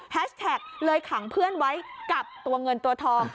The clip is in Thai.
แท็กเลยขังเพื่อนไว้กับตัวเงินตัวทอง